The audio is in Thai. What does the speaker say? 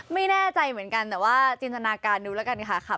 ไม่แน่ใจเหมือนกันแต่ว่าจินตนาการดูแล้วกันค่ะ